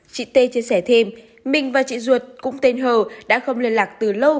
chị tê chia sẻ thêm mình và chị duệt cũng tên hờ đã không liên lạc từ lâu